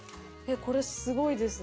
これすごいですね。